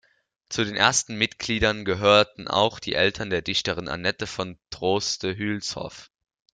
Zu den ersten Mitgliedern gehörten auch die Eltern der Dichterin Annette von Droste-Hülshoff.